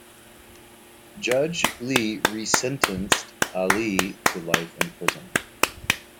Judge Lee resentenced Ali to life in prison.